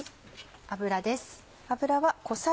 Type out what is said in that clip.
油です。